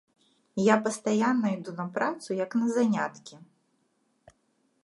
Я пастаянна іду на працу, як на заняткі.